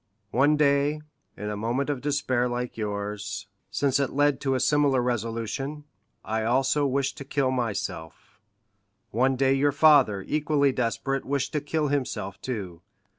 One day, in a moment of despair like yours, since it led to a similar resolution, I also wished to kill myself; one day your father, equally desperate, wished to kill himself too.